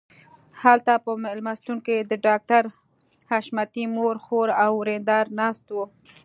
هلته په مېلمستون کې د ډاکټر حشمتي مور خور او ورېندار ناست وو